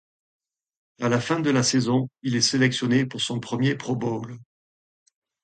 À la fin de la saison, il est sélectionné pour son premier Pro Bowl.